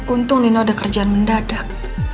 untung nino udah kerjaan mendadak